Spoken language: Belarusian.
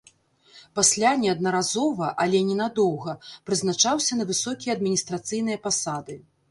Пасля неаднаразова, але ненадоўга прызначаўся на высокія адміністрацыйныя пасады.